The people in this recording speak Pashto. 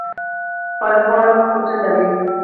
خواږه خوړل ګټه لري